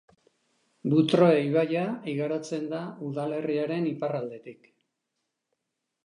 Butroe ibaia igarotzen da udalerriaren iparraldetik.